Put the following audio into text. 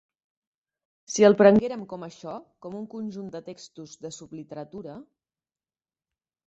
Si el prenguérem com això, com un conjunt de textos de subliteratura...